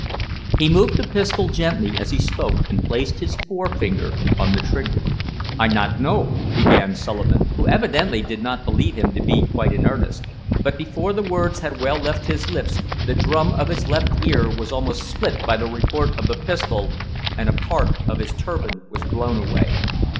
He moved the pistol gently as he spoke, and placed his forefinger on the trigger. "I not know," began Suliman, who evidently did not believe him to be quite in earnest; but before the words had well left his lips the drum of his left ear was almost split by the report of the pistol, and a part of his turban was blown away.